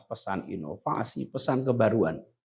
pesan inovasi pesan kebaruan